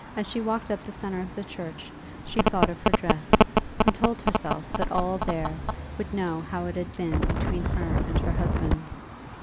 As she walked up the centre of the church she thought of her dress, and told herself that all there would know how it had been between her and her husband.